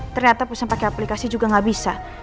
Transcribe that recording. ternyata pesan pake aplikasi juga gak bisa